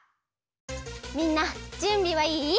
みんなじゅんびはいい？